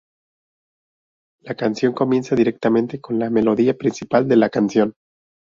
La canción comienza directamente con la melodía principal de la canción.